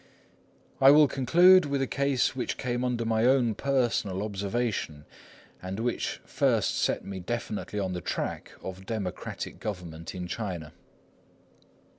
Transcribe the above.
I will conclude with a case which came under my own personal observation, and which first set me definitely on the track of democratic government in China.